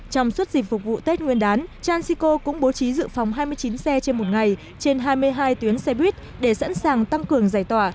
trong suốt dịp phục vụ tết nguyên đán transico cũng bố trí dự phòng hai mươi chín xe trên một ngày trên hai mươi hai tuyến xe buýt để sẵn sàng tăng cường giải tỏa